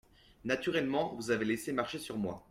Naturellement, vous avez laissé marcher sur moi !